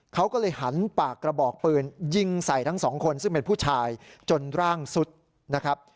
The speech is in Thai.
เขาก็เลยหันปากกระบอกปืนยิงใส่ทั้งสองคนซึ่งเป็นผู้ชายจนร่างสุดนะครับ